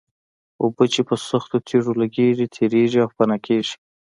اوبه چې په سختو تېږو لګېږي تېرېږي او فنا کېږي.